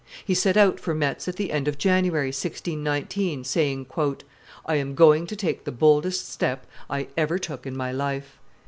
He set out for Metz at the end of January, 1619, saying, ii I am going to take the boldest step I ever took in my life."